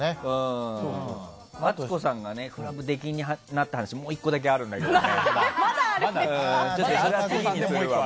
ＡＴＳＵＫＯさんがクラブ出禁になった話もう１個あるんだけど。